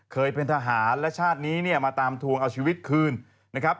เคยเป็นทหารและชาตินี้เนี่ยมาตามทวงเอาชีวิตคืนนะครับ